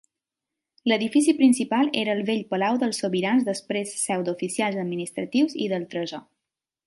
L'edifici principal era el vell palau dels sobirans després seu d'oficials administratius i del tresor.